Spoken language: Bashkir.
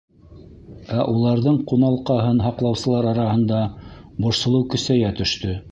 Ә уларҙың ҡуналҡаһын һаҡлаусылар араһында борсолоу көсәйә төштө.